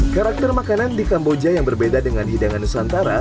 karakter makanan di kamboja yang berbeda dengan hidangan nusantara